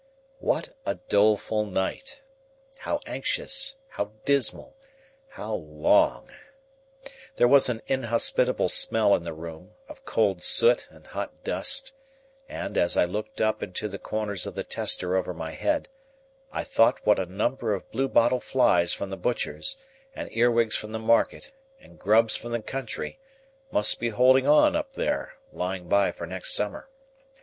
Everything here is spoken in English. What a doleful night! How anxious, how dismal, how long! There was an inhospitable smell in the room, of cold soot and hot dust; and, as I looked up into the corners of the tester over my head, I thought what a number of blue bottle flies from the butchers', and earwigs from the market, and grubs from the country, must be holding on up there, lying by for next summer.